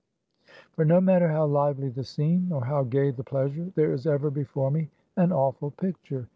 • For no matter how lively the scene, nor how gay the pleasure, there is ever before me an awful picture.